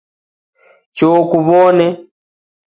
Choo kuwone